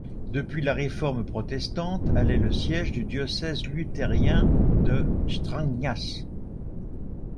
Depuis la Réforme protestante, elle est le siège du diocèse luthérien de Strängnäs.